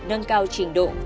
nâng cao trình độ